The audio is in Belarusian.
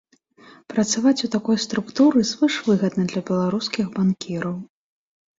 Працаваць у такой структуры звышвыгадна для беларускіх банкіраў.